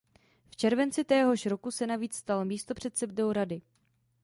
V červenci téhož roku se navíc stal místopředsedou rady.